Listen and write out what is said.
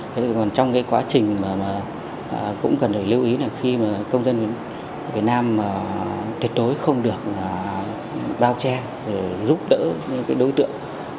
thế còn trong cái quá trình mà cũng cần phải lưu ý là khi mà công dân việt nam thiệt tối không được bao che giúp đỡ những đối tượng